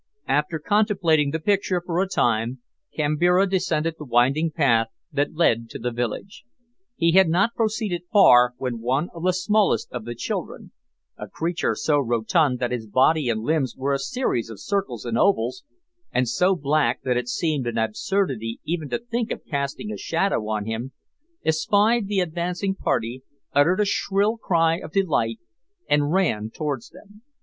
After contemplating the picture for a time, Kambira descended the winding path that led to the village. He had not proceeded far when one of the smallest of the children a creature so rotund that his body and limbs were a series of circles and ovals, and so black that it seemed an absurdity even to think of casting a shadow on him espied the advancing party, uttered a shrill cry of delight, and ran towards them.